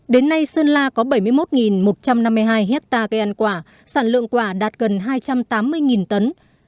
đến nay sơn la có bảy mươi một một trăm năm mươi hai hectare cây ăn quả sản lượng quả đạt gần hai trăm tám mươi tấn